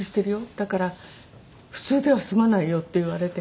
「だから普通では済まないよ」って言われて。